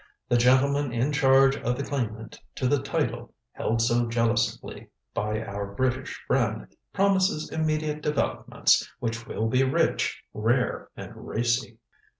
The gentleman in charge of the claimant to the title held so jealously by our British friend promises immediate developments which will be rich, rare and racy.'"